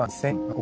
お。